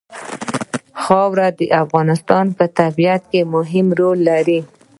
خاوره د افغانستان په طبیعت کې مهم رول لري.